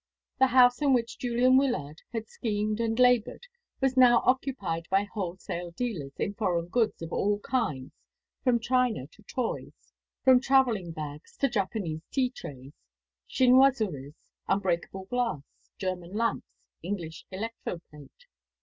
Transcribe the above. The house in which Julian Wyllard had schemed and laboured was now occupied by wholesale dealers in foreign goods of all kinds, from china to toys, from travelling bags to Japanese tea trays, chinoiseries, unbreakable glass, German lamps, English electro plate.